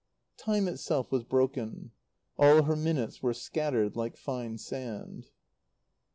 Time itself was broken. All her minutes were scattered like fine sand.